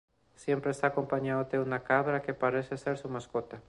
Siempre está acompañado de una cabra que parece ser su mascota.